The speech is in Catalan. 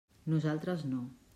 Nosaltres, no.